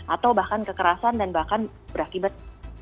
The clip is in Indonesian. atau bahkan kekerasan dan bahkan berakibat